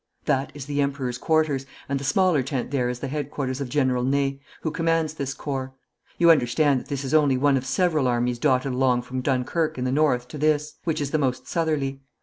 'That is the Emperor's quarters, and the smaller tent there is the headquarters of General Ney, who commands this corps. You understand that this is only one of several armies dotted along from Dunkirk in the north to this, which is the most southerly.